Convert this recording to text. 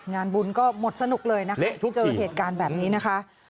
งานบุญก็หมดสนุกเลยนะคะเจอเหตุการณ์แบบนี้นะคะ